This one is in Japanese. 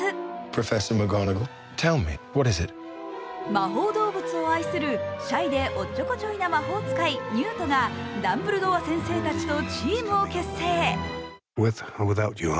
魔法動物を愛するシャイでおっちょこちょいな魔法使いニュートがダンブルドア先生たちとチームを結成。